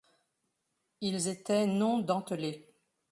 Ils étaient non dentelés.